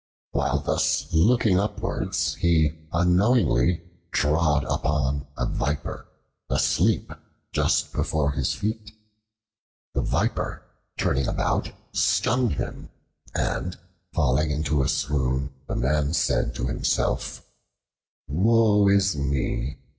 While thus looking upwards, he unknowingly trod upon a Viper asleep just before his feet. The Viper, turning about, stung him, and falling into a swoon, the man said to himself, "Woe is me!